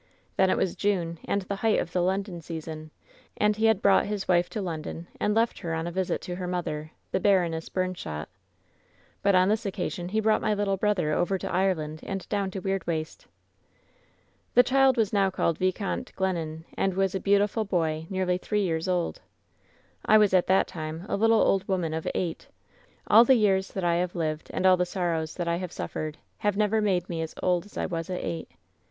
"Then it was June and the height of the London sea son, and he had brought his wife to London and left her on a visit to her mother, the Baroness Bumshot. But on this occasion he brought my little brother over to Ireland and down to Weirdwaste. "The child was now called Viscount Glennon, and was a beautiful boy nearly three years old. WHEN SHADOWS DIE 161 "I was at that time a little old woman of eight. All the years that I have lived and all the sorrows that I have suffered have never made me as old as I was at ei^ht.